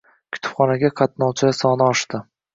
Kutubxonaga qatnovchilar soni oshdi.